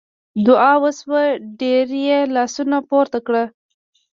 دعا وشوه ډېر یې لاسونه پورته کړل.